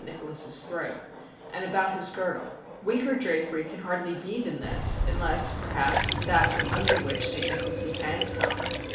Nicholas's throat, and about his girdle—weaker drapery can hardly be than this, unless, perhaps, that from under which S. Nicholas's hands come.